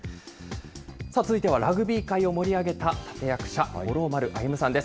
続いてはラグビー界を盛り上げた立て役者、五郎丸歩さんです。